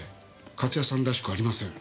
勝谷さんらしくありません。